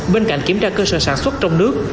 bên cạnh kiểm tra cơ sở sản xuất trong nước